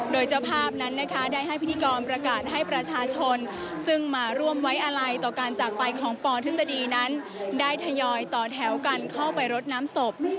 โดยเจ้าภาพนั้นนะคะได้ให้พิธีกรประกาศให้ประชาชนซึ่งมาร่วมไว้อะไรต่อการจากไปของปทฤษฎีนั้นได้ทยอยต่อแถวกันเข้าไปรดน้ำศพ